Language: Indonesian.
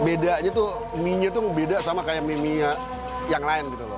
bedanya tuh mie nya tuh beda sama kayak mie mie yang lain gitu loh